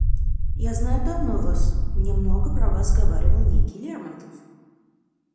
Я знаю давно вас, мне много про вас говаривал некий Лермонтов.